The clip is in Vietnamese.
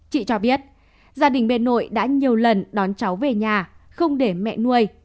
chị cho biết gia đình bên nội đã nhiều lần đón cháu về nhà không để mẹ nuôi